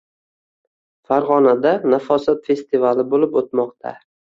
Farg‘onada “Nafosat” festivali bo‘lib o‘tmoqda